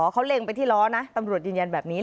เขาเล็งไปที่ล้อนะตำรวจยืนยันแบบนี้